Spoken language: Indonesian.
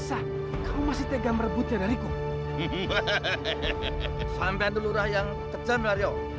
saya bersedia bersekutu dengan nyai